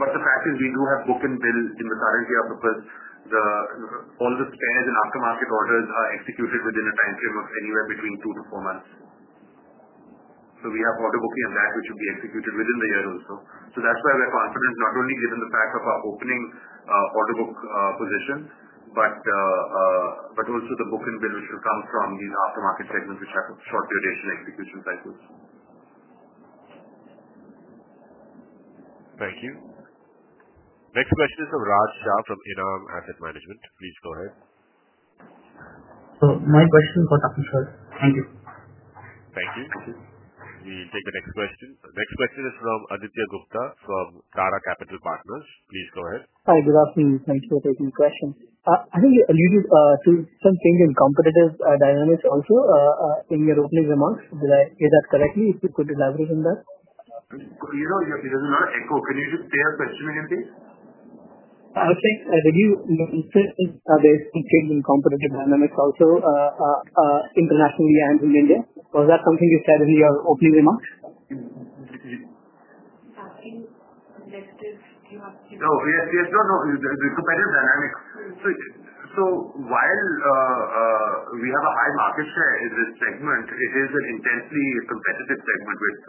C: 2027. The fact is we do have booking bills in the current year because all the spares and aftermarket orders are executed within a time frame of anywhere between two to four months. We have order booking and that which will be executed within the year also. That's why we're confident, not only given the fact of our opening order book positions but also the booking pipeline which will come from these aftermarket segments which have short duration execution cycles.
A: Thank you. Next question is from Raj from Enam Asset Management. Please go ahead.
N: My question got up to sir. Thank you.
A: Thank you. Take the next question. Next question is from Aditya Gupta from Tara Capital Partners. Please go ahead.
O: Hi, good afternoon. Thanks for taking the question. Have you alluded to some change in competitors' dynamics also in your opening remarks? Did I hear that correctly? If you could elaborate on that.
C: You know, your position. Can you say the question again, please?
O: There's competitive dynamics also internationally and in India, or is that something you said in your opening remarks?
C: While we have a high market share in this segment, it is an intensely competitive segment with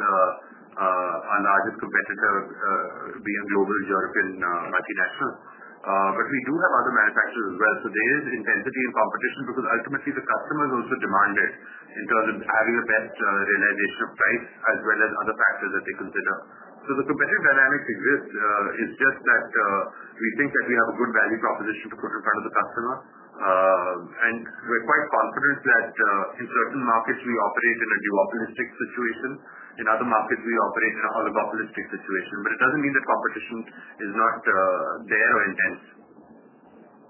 C: our largest competitor being global, European, multinational. We do have other manufacturers as well. There is intensity and competition because ultimately the customers also demand it in terms of having the best realization of price as well as other factors that they consider. The competitive dynamics exist. We think that we have a good value proposition to put in front of the customer. We're quite confident that in certain markets we operate in a duopolistic situation. In other markets we operate in a holobaccalistic situation. It doesn't mean that competition is not there or intense.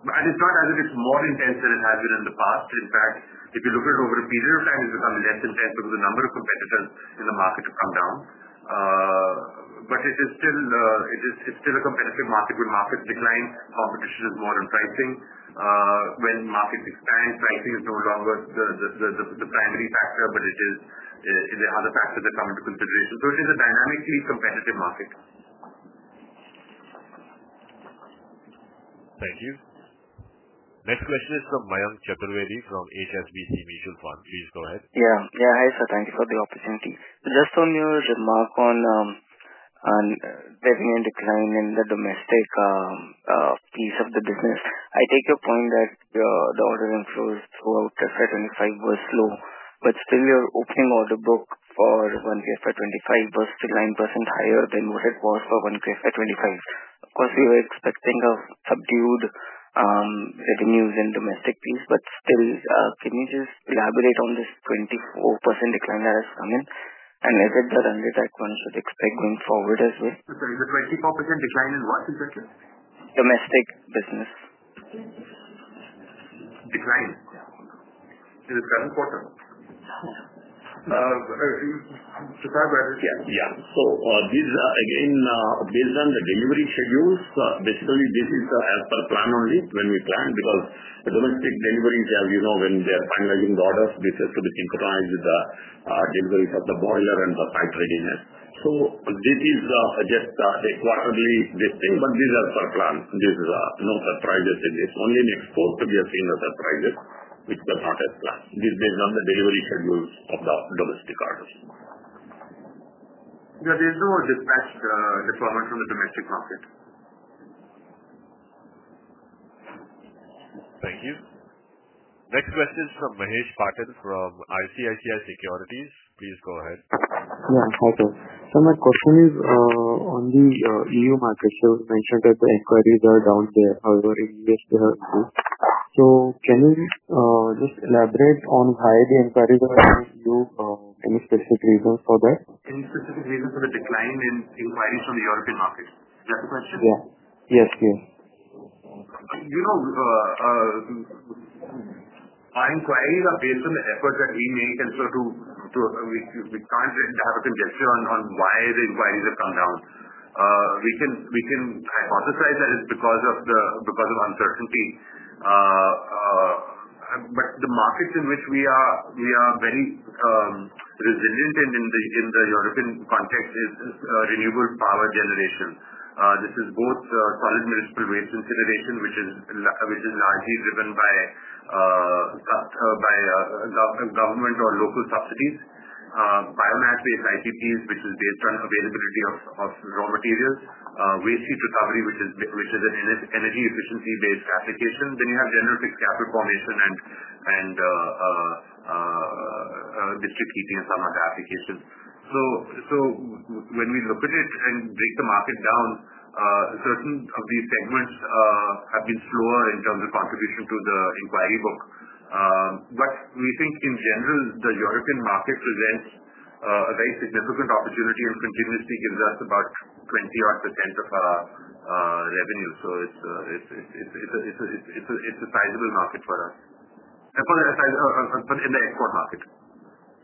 C: It's not as if it's more intense than it has been in the past. In fact, if you look at it over a period of time, it becomes less intense because the number of competitors in the market have come down. It is still a competitive market. When markets decline, competition is more in pricing. When markets expand, pricing is no longer the primary factor, but it is the other factors that come into consideration. It is a dynamically competitive market.
A: Thank you. Next question is from Mayank Chaturvedi from HSBC Mutual Fund. Please go ahead.
P: Hi. Thanks for the opportunity. Just on your mark on the decline in the domestic piece of the business. I take your point that the order inflows throughout FY 2025 were slow. Still, your opening order book for FY 2025 was 9% higher than what it was for FY 2024. Of course, we were expecting subdued revenues in the domestic piece, but still, can you just elaborate on this 24% decline that has come in and if that is the only thing that one could expect going forward as well?
C: 24% decline in what? In that case.
P: Domestic business.
E: Decline in the current quarter. These are again based on the delivery schedules. Basically, this is as per plan, only when we plan because the domestic delivery of when they're finalizing the orders. This has to be temporarily the delivery of the boiler and the pipeline. This is just a quarterly distinct. These are planned due to no surprises. It is only next quarter we have seen the surprises which will not help. Plan based on the delivery schedules of the domestic orders.
C: No, there's no dispatch department from the domestic market.
A: Thank you. Next question is from Mahesh Patil from ICICI Securities. Please go ahead.
Q: My question is on the EU market. You mentioned that the inquiries are down here. However, in which they are. Can you just elaborate on why the inquiries? Are there any specific reasons for that?
C: Any specific reason for the decline in inquiries from the European market?
Q: Yes.
C: Our inquiries are based on the efforts at lean maintenance. We can't have a congestion on why the inquiries have come down. We can hypothesize that it's because of the uncertainty. The markets in which we are very resilient in the European context is renewable power generation. This is both. Municipal waste incineration, which is largely driven by government or local subsidies, biomass-based ITP, which is based on availability of raw material, waste heat recovery, which is an energy efficiency-based application. Then you have general capital formation, and the chickpeas are not applications. When we look at it and break the market down, certain of these segments have been slower in terms of contribution to the inquiry book. We think in general the European market presents a very significant opportunity and continuously gives us about 20% of our revenue. It's a sizable market for us in the export market,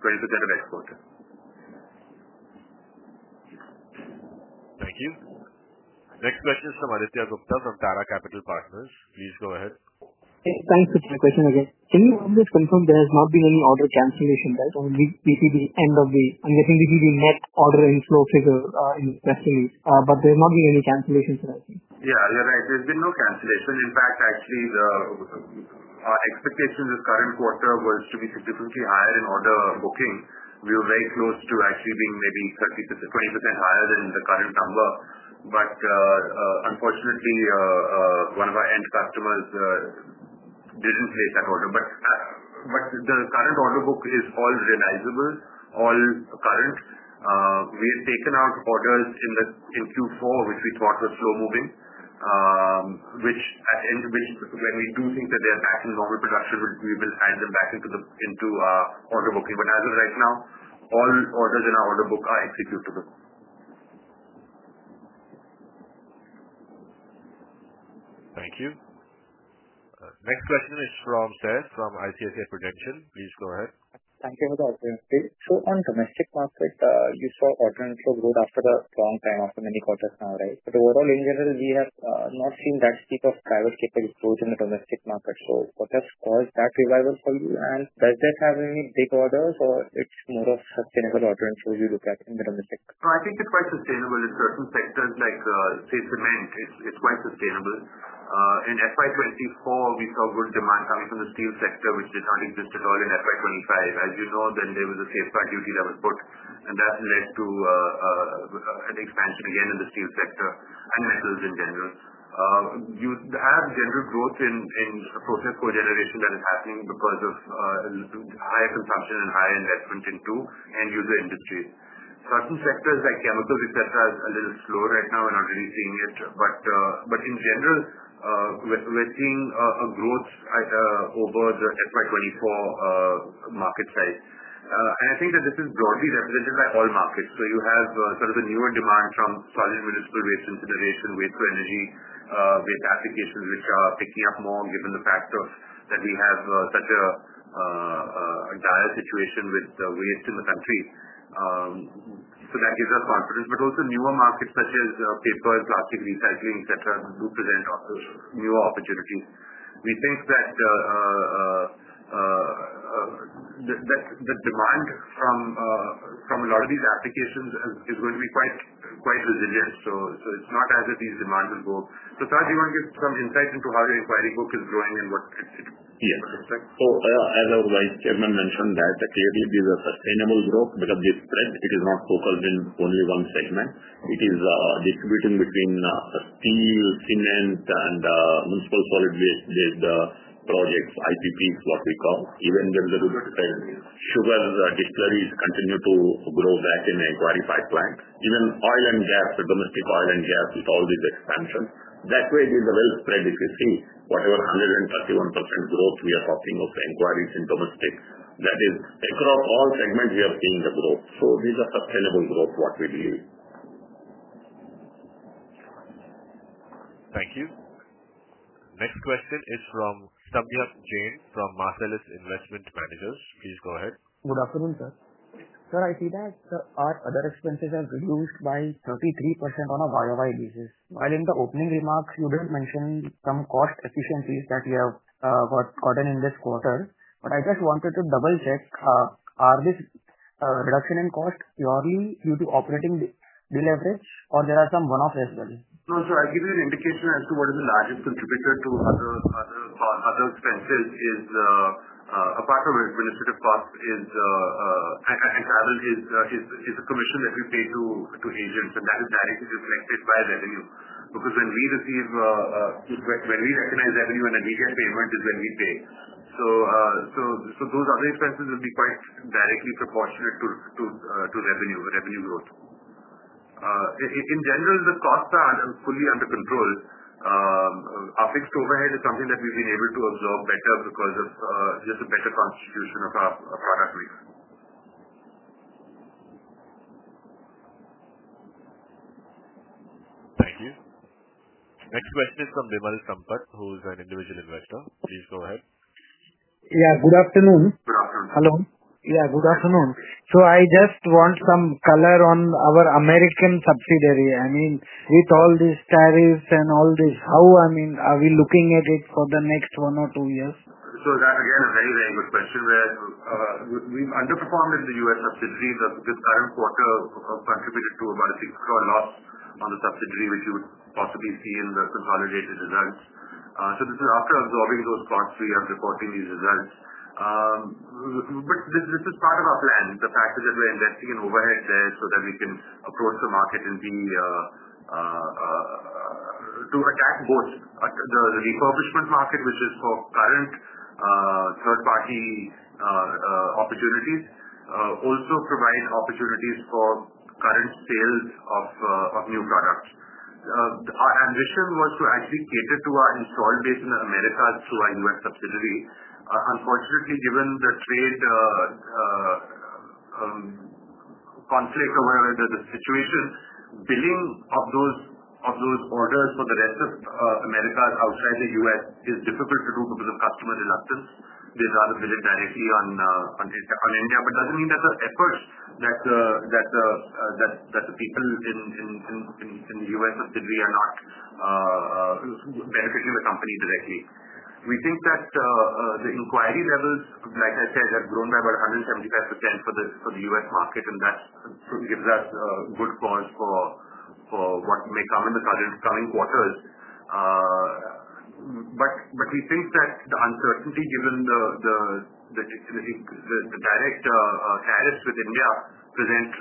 C: transit exporter.
A: Thank you. Next question is from Aditya Gupta from Tara Capital Partners. Please go ahead.
O: Thanks for your question. Again, can you confirm there has not been any order cancellation? Right. This is the end of the. I'm getting. This is the net order inflow figure in testimony but they're not getting any chance to.
C: Yeah, you're right. There's been no cancellation. In fact, actually the expectation this current quarter was to be significantly higher in order booking. We were very close to actually being maybe 30% higher than the current number. Unfortunately, one of our end customers didn't hit that order. The current order book is all realizable, all current. We've taken out orders in Q4 which we thought were slow moving, which again we do think that they are passing normal production. We will add them back into order booking. As of right now, all orders in our order book are executable.
A: Thank you. Next question is from Tess from ICICI Prudential. Please go ahead. Thank you for the audience. On domestic market, you saw order inflow growth after a long time, after many quarters now. Right. Overall engineering, we have not seen that steep of travel state in the domestic market. What has caused that revival for you and does that have any big orders or. It's more of sustainable order. You look at in the domestic sector,
C: I think it's quite sustainable. It's some sectors like say cement, it's quite sustainable. In FY 2024, we saw good demand coming from the steel sector, which did not exist at all in FY 2025. As you know, then there was a safe spark duty that was put and that led to an expansion again in the steel sector and metals in general. You have general growth in process co-generation that is happening because of higher consumption and higher investment into end user industries. Certain sectors like chemicals, et cetera, are a little slow right now, we're not really seeing it. In general, we're seeing a growth over the FY 2024 market size. I think that this is broadly represented by all markets. You have sort of a newer demand from solid municipal waste refineries and waste-to-energy applications, which are picking up more given the fact that we have such a dire situation with waste in the country. That gives us confidence. Also, newer markets such as paper, plastic, recycling, etc., do present also new opportunity. We think that the demand from a lot of these applications is going to be quite, quite resilient. It's not as it is the marginal book. Prasad, you want to give some insights into how the inquiry book is growing and what here.
E: As our Vice Chairman mentioned, clearly there's a sustainable growth because of this spread. It is not focused in only one segment. It is distributing between steel, cement, and municipal solid waste projects. IPP is what we call, even there is a good sugar disclosures continue to grow back in a qualified plant. Even oil and gas, domestic oil and gas. With all these expansion, that way it is well spread. If you see whatever 131% growth, we are talking of inquiries in domestic, that is across all segments we are seeing the growth. These are attainable growth, what we believe.
A: Thank you. Next question is from Samyak Jain from Marcellus Investment Managers. Please go ahead.
R: Good afternoon, sir. Sir, I see that our other expenses have reduced by 33% on a year-on-year basis. While in the opening remarks you did mention some cost efficiencies that you have gotten in this quarter, I just wanted to double check. Are this reduction in cost purely due to operating deliveries or are there some one-off as well?
C: No. I'll give you an indication as to what is the largest contributor to other expenses. Apart from administrative cost and travel, it is a commission that we pay to agents, and that is directly inflected by revenue. Because when we receive, when we recognize revenue and a commission payment is when we pay. Those other expenses will be quite directly proportionate to revenue growth. In general, the costs are fully under control. Our fixed overhead is something that we've been able to absorb better because of just a better constitution of. Please.
A: Thank you. Next question is from Bimari Sampat who's an individual investor. Please go ahead. Yeah, good afternoon. Hello. Yeah, good afternoon. I just want some color on our American subsidiary. I mean with all these tariffs and all this how, I mean, are we looking at it for the next one or two years?
C: That again is a very, very good question. Where we've underperformed in the U.S. subsidiary, the current quarter contributed to about an 6 crore loss on the subsidiary which you would possibly see in the consolidated results. This is after absorbing those plots we are reporting these results. This is part of our plan. The fact that we're investing in overhead there so that we can approach the market to attack both the refurbishment market, which is for current third party opportunities, also provide opportunities for current sales of new products. Our ambition was to actually cater to our installed base in America through our U.S. subsidiary. Unfortunately, given the trade situation, billing of those orders for the rest of America outside the U.S. is difficult to do because of customer reluctance. There's a military on India, but it doesn't mean that the efforts that the people in the U.S. are not benefiting the company directly. We think that the inquiry levels, like I said, have grown by about 175% for the U.S. market and that gives us good cause for what may come in the coming quarters. We think that the uncertainty given the direct tariffs with India presents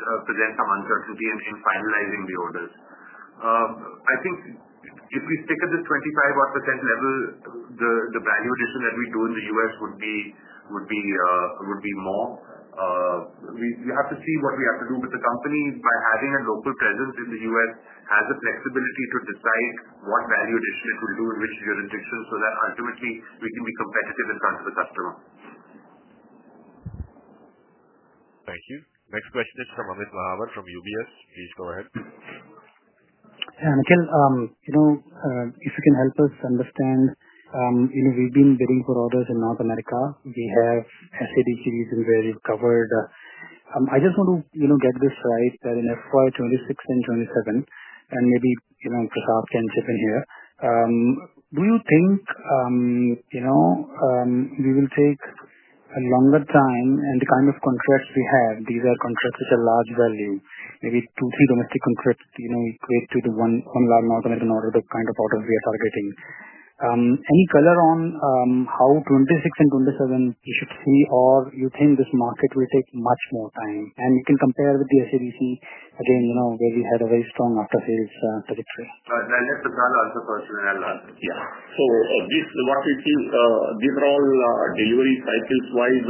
C: some uncertainty in finalizing the orders. I think if we stick at this 25% level, the value addition every two in the U.S. would be more. We have to see what we have to do. The company, by having a local presence in the U.S., has the flexibility to decide what value addition it will do in which jurisdiction so that ultimately we can be competitive in front of the customer.
A: Thank you. Next question is from Amit Mahawar from UBS. Please go ahead.
L: Nikhil, you know, if you can help us understand, you know we've been bidding for others in North America. We have sad series in where you've covered. I just want to get this right that in FY 2026 and 2027 and maybe, you know, half times if I hear, do you think we will take a longer time on the kind of contracts we had? These are contracts at a large value, maybe two, three domestic contracts, you know, three to one online alternate nor the kind of orders we are targeting. Any color on how 2026 and 2027 you should see or you think this market will take much more time and you can compare with the SADC again, you know, where we had a very strong after sales.
E: These are all delivery cycles wise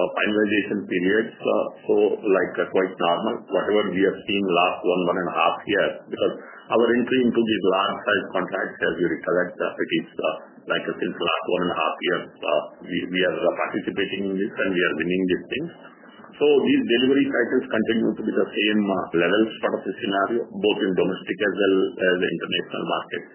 E: or finalization periods, so quite normal whatever we have seen last one, one and a half years because our entry into these large contracts, as you recognize, it is like since last one and a half years we are participating in this and we are winning these things. These delivery cycles continue to be the same levels, sort of a scenario both in domestic as well as international markets.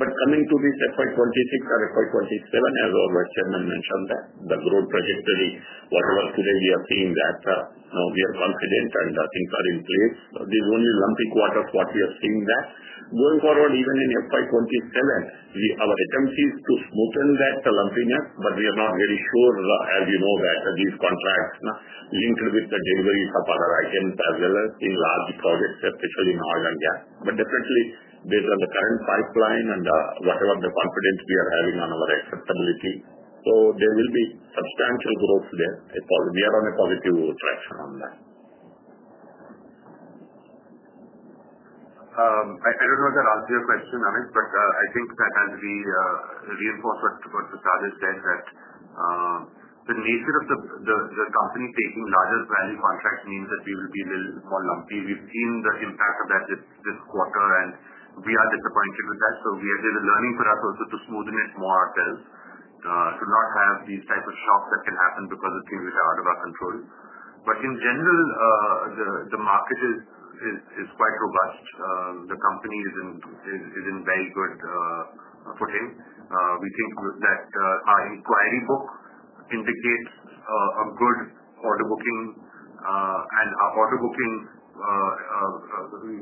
E: Coming to this FY 2026 and FY 2027, as our Vice Chairman mentioned, the growth has history. Whatever today we are seeing, now we are confident and things are in place. This only lumpy quarters. What we are seeing now going forward, even in FY 2027, our attempt is to smoothen that lumpiness. We are not very sure, as you know, that these contracts as well as in large projects, especially north and gas, but definitely based on the current pipeline and whatever the confidence we are having on our accessibility, there will be substantial growth there. We are on a positive direction on that.
C: I don't know if that answers your question, Amit, but I think that as we reinforce what the nature of the toughening paper largest value contract means, we will be a little lumpy. We've seen the impact of that this quarter and we are disappointed with that. We have a learning for us also to smoothen in small orders, should not have these type of shocks that can happen because of things which are out of our control. In general, the market is quite robust. The company is in very good footing. We think that our inquiry book indicates a good order booking and order bookings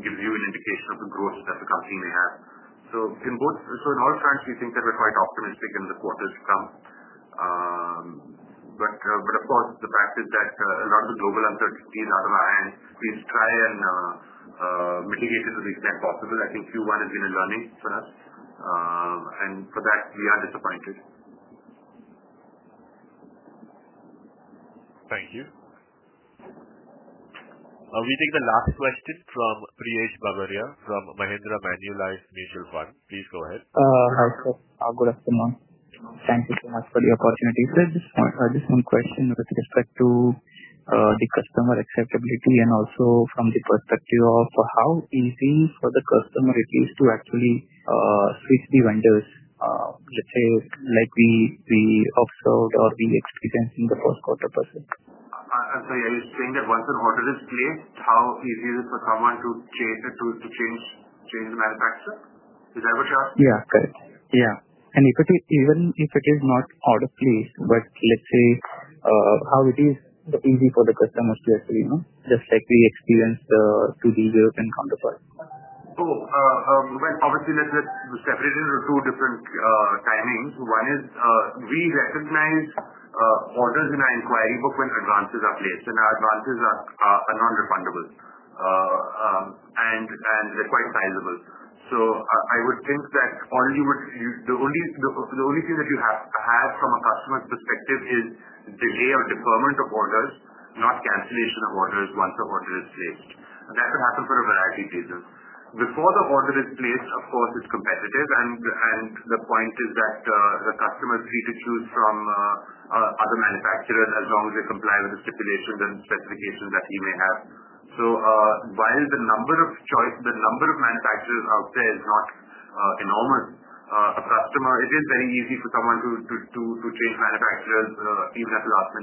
C: gives you an indication of a gross difficulty may have, so in all fronts we think that we're quite optimistic in the quarters to come. Of course, the fact is that a lot of the global uncertainty is out of our hands. Please try and mitigate it to the extent possible. I think Q1 has been a learning for us and for that we are disappointed.
A: Thank you. We take the last question from Priyesh Babariya from Mahindra Manulife Mutual Fund. Please go ahead.
S: Thank you so much for the opportunity. This one question with respect to the customer acceptability and also from the perspective of how easy for the customer it is to actually switch the vendors. Let's say like the observed or the experience in the first quarter.
C: I'm sorry, are you saying that one quarter is placed, how easy is it for command to change the tools, to change the manufacturer? Is that what you are?
S: Yeah, yeah. And if it is even if it is not order, please. But let's say how it is easy for the customers to actually, you know, just like we experience the 2D0 and counterpart.
C: Obviously, this is separated into two different timings. One is we recognize orders in our inquiry book when advances are placed, and our advances are placed are non-refundable and they're quite sizable. I would think that all you would use, the only thing that you have to have from a customer's perspective is delay or deferment of orders, not cancellation of orders once the order is placed. That can happen for a variety of reasons before the order is placed. Of course, it's competitive and the point is that the customer is free to choose from other manufacturers as long as they comply with the stipulations and specifications that he may have. While the number of manufacturers out there is not enormous, a customer, it is very easy for someone to change manufacturers at the team level option.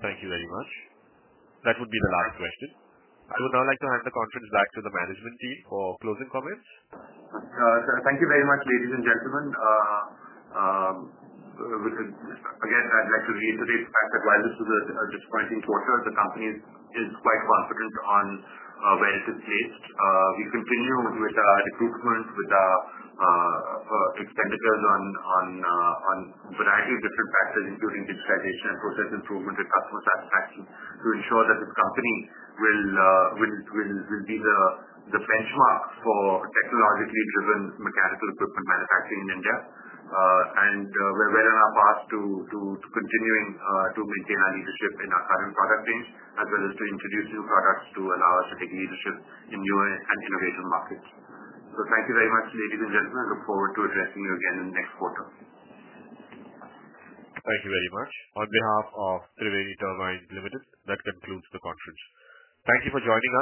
A: Thank you very much. That would be the last question. I would now like to hand the conference back to the management team for closing comments.
C: Thank you very much, ladies and gentlemen. Again, I'd like to reiterate the fact that while this is a disappointing quarter, the company is quite confident on where it's based. We continue with our recruitment with expenditures on a variety of different factors, including digitization and process improvement, to ensure that this company will be the benchmark for technologically driven mechanical equipment manufacturing in India. We're well on our path to continuing to maintain our leadership in our current product team as well as to introduce new products to allow us to take leadership in UA and innovation markets. Thank you very much, ladies and gentlemen. I look forward to addressing you again in the next quarter.
A: Please. Thank you very much on behalf of Triveni Turbine Limited. That concludes the conference. Thank you for joining us.